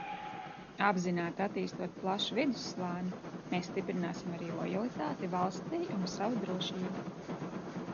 Apzināti attīstot plašu vidusslāni, mēs stiprināsim arī lojalitāti valstij un savu drošību.